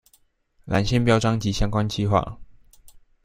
纜線標章及相關計畫